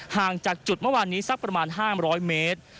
ห่างจากจุดเมื่อวานนี้สักประมาณ๕๐๐เมตร